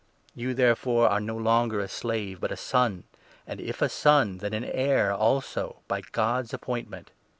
You, 7 therefore, are no longer a slave, but a son ; and, if a son, then an heir also, by God's appointment.